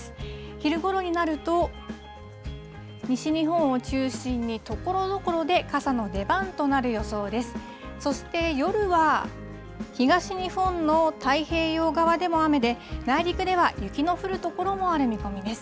昼ごろになると、西日本を中心に、ところどころで傘の出番となる予想です。